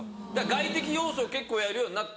外的要素を結構やるようになって。